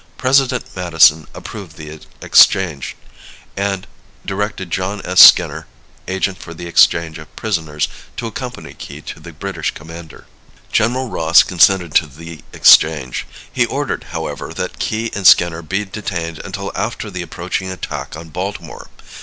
President Madison approved the exchange, and directed John S. Skinner, agent for the exchange of prisoners, to accompany Key to the British commander. General Ross consented to the exchange. He ordered, however, that Key and Skinner be detained until after the approaching attack on Baltimore.